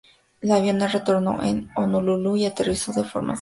El avión retornó a Honolulú y aterrizó de forma segura.